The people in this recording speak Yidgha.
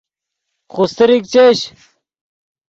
خوستریک چش